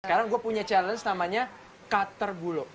sekarang gue punya challenge namanya kata terbulu